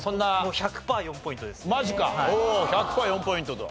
１００パー４ポイントと。